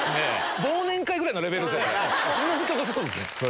忘年会ぐらいのレベルじゃない、これ。